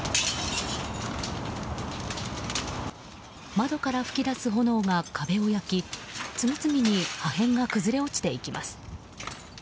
窓から噴き出す炎が壁を焼き次々に破片が崩れ落ちていきます。